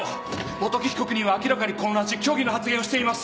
元木被告人は明らかに混乱し虚偽の発言をしています！